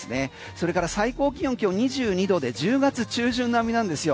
それから最高気温今日気温２２度で１０月中旬並みなんですよ。